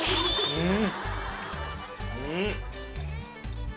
うん！